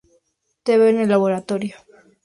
Te veo en el laboratorio".